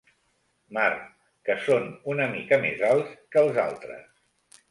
Mar—, que són una mica més alts que els altres.